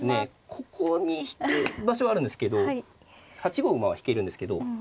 ここに引く場所はあるんですけど８五馬は引けるんですけど。